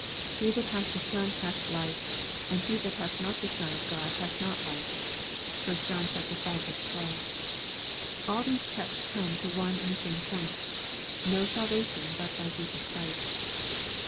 He that hath the Son hath life, and he that hatli not the Son of God hath not life." (1 John v. 12.) All these texts come to one and the same point, no salvation but by Jesus Christ.